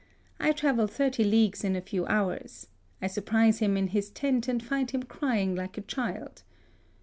I travel thirty leagues in a few houra I surprise him in his tent and find him crying like a child.